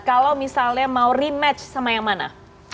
kalau misalnya mau rematch sama yang mana